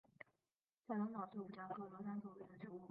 假通草是五加科罗伞属的植物。